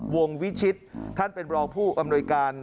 วงวิชิตท่านเป็นรองผู้อำนวยการ